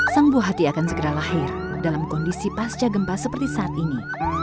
sang buah hati akan segera lahir dalam kondisi pasca gempa seperti saat ini